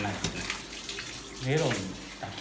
メロンだけ。